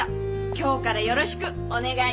今日からよろしくお願いいたします！